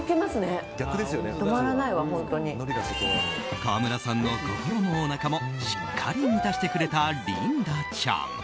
川村さんの心もおなかもしっかり満たしてくれたリンダちゃん。